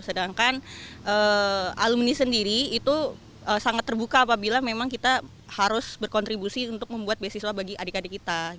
sedangkan alumni sendiri itu sangat terbuka apabila memang kita harus berkontribusi untuk membuat beasiswa bagi adik adik kita